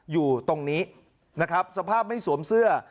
อยู่ตรงนี้นะครับสภาพไม่สวมเสื้อ